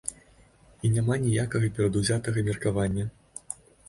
І няма ніякага перадузятага меркавання.